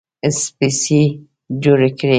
سپڼسي جوړ کړي